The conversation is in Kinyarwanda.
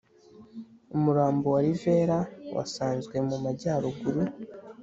Umurambo wa Rivera wasanzwe mu Majyaruguru